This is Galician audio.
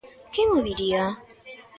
Quen o diría?